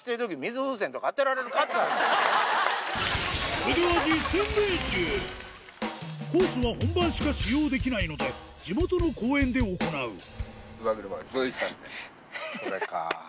それではコースは本番しか使用できないので地元の公園で行うこれかぁ。